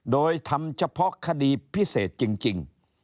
โดยทำเฉพาะคดีพิเศษจริง